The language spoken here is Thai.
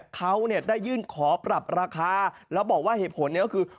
เขาได้ยื่นขอปรับราคาแล้วบอกว่าเหตุผลก็คือ